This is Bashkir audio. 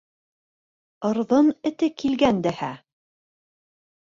Ырҙын эте килгән дәһә.